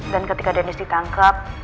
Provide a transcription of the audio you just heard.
dan ketika dennis ditangkap